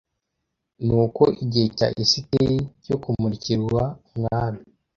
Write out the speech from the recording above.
Nuko igihe cya Esiteri cyo kumurikirwa umwami